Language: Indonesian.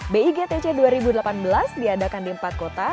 bigtc dua ribu delapan belas diadakan di empat kota